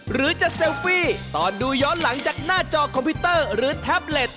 หรือจะเซลฟี่ตอนดูย้อนหลังจากหน้าจอคอมพิวเตอร์หรือแท็บเล็ต